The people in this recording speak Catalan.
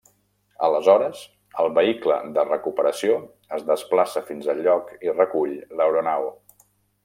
Aleshores el vehicle de recuperació es desplaça fins al lloc i recull l'aeronau.